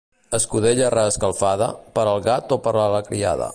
Escudella reescalfada, per al gat o per a la criada.